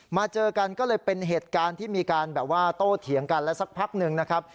เจอกันก็เลยเป็นเหตุการณ์ที่มีการแบบว่าโตเถียงกันแล้วสักพักหนึ่งนะครับ